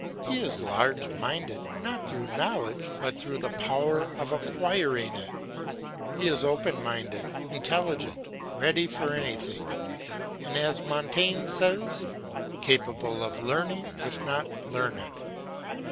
He is large minded, not through knowledge, but through the power of acquiring it; he is open minded, intelligent, ready for anything, and, as Montaigne says, capable of learning if not learned.